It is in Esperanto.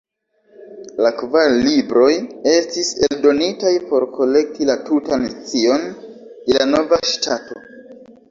La kvar libroj estis eldonitaj por kolekti la tutan scion de la nova ŝtato.